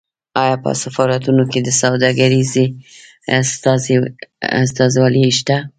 آیا په سفارتونو کې سوداګریزې استازولۍ شته؟